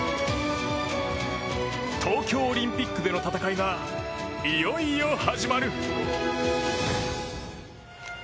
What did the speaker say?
東京オリンピックでの戦いがいよいよ始まる。